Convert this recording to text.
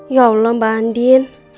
ya allah mbak andin